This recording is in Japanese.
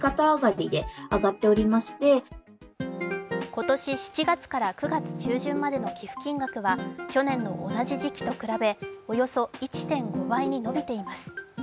今年７月から９月中旬までの寄付金額は去年の同じ時期と比べおよそ１．５倍に伸びています。